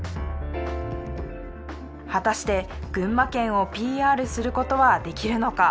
果たして群馬県をＰＲすることはできるのか。